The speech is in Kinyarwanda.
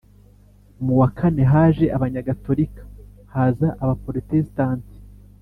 mu wa kane haje abanyagatolika, haza abaprotestanti